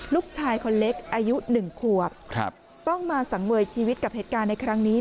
ลูกชายคนเล็กอายุ๑ขวบต้องมาสังเวยชีวิตกับเหตุการณ์ในครั้งนี้